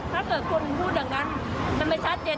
ถ้าเกิดคุณพูดดังนั้นจะมีชัดเจน